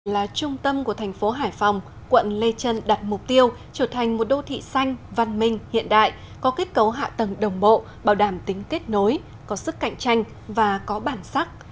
là trung tâm của thành phố hải phòng quận lê trân đặt mục tiêu trở thành một đô thị xanh văn minh hiện đại có kết cấu hạ tầng đồng bộ bảo đảm tính kết nối có sức cạnh tranh và có bản sắc